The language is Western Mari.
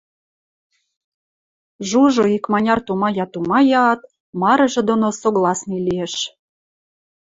Жужо икманяр тумая-тумаяат, марыжы доно согласный лиэш: